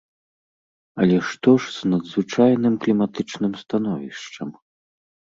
Але што ж з надзвычайным кліматычным становішчам?